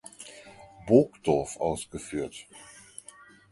Burgdorf ausgeführt.